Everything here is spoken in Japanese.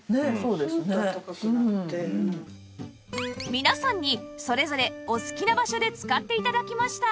皆さんにそれぞれお好きな場所で使って頂きました